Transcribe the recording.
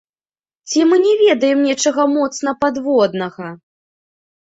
Ці мы не ведаем нечага моцна падводнага?